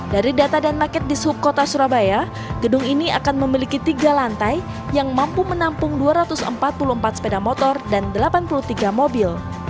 dari data dan naket di subkota surabaya gedung ini akan memiliki tiga lantai yang mampu menampung dua ratus empat puluh empat sepeda motor dan delapan puluh tiga mobil